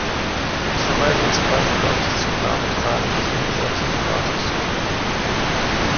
Ich verweise hier zum Beispiel auf das Zugrabetragen des Legislativrates.